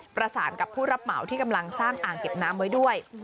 ประสานกับผู้รับเหมาที่กำลังสร้างอ่างเก็บน้ำไว้ด้วย